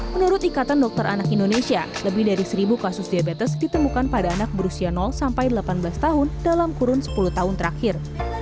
menurut ikatan dokter anak indonesia lebih dari seribu kasus diabetes ditemukan pada anak berusia sampai delapan belas tahun dalam kurun sepuluh tahun terakhir